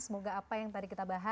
semoga apa yang tadi kita bahas